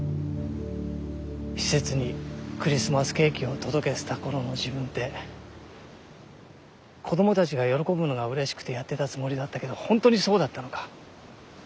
施設にクリスマスケーキを届けてた頃の自分って子どもたちが喜ぶのがうれしくてやってたつもりだったけどホントにそうだったのか。